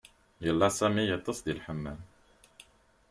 Yella sami ittes di elhmam